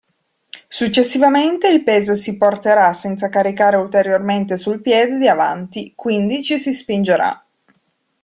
Successivamente il peso si porterà senza caricare ulteriormente sul piede di avanti, quindi ci si spingerà.